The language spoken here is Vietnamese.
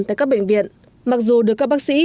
tại các bệnh viện mặc dù được các bác sĩ